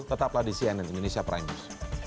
tetaplah di cnn indonesia prime news